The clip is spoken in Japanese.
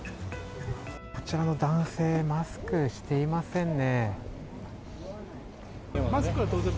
あちらの男性マスクしていませんね。